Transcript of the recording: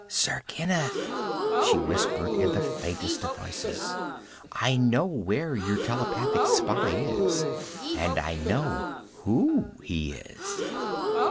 "Sir Kenneth," she whispered in the faintest of voices, "I know where your telepathic spy is. And I know who he is."